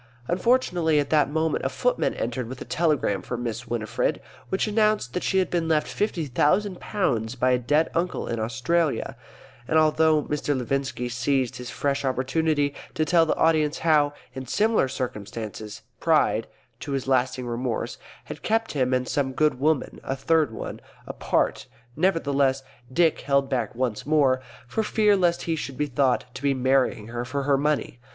Unfortunately at that moment a footman entered with a telegram for Miss Winifred, which announced that she had been left fifty thousand pounds by a dead uncle in Australia; and although Mr. Levinski seized this fresh opportunity to tell the audience how in similar circumstances Pride, to his lasting remorse, had kept him and some good woman (a third one) apart, nevertheless Dick held back once more, for fear lest he should be thought to be marrying her for her money.